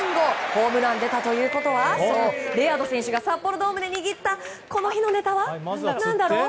ホームランが出たということはそう、レアード選手が札幌ドームで握ったこの日のネタは何だろう？